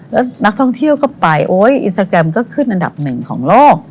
แล้วนักท่องเที่ยวก็ไปโอ๊ยอินสตาแกรมก็ขึ้นอันดับหนึ่งของโลก